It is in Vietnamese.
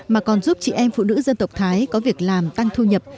mà còn giúp chị em phụ nữ dân tộc thái có việc làm tăng thu nhập